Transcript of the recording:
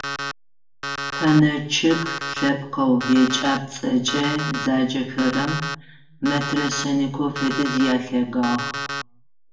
Пэнэ чъыг лъэпкъэу екӏапӏцӏэкӏэ заджэхэрэм метрэ шъэныкъо фэдиз ялъэгагъ.